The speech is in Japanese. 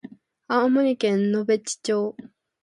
青森県野辺地町